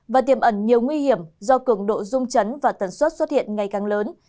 và tiềm ẩn nhiều nguy hiểm do cường độ rung chấn và tần suất xuất hiện ngày càng lớn